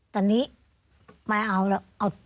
ตอนนี้ไม่เอาแล้ว